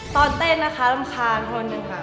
ตอนเต้นนะคะรำคาญคนหนึ่งค่ะ